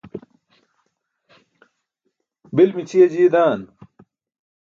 bil mićʰiya jiiye dan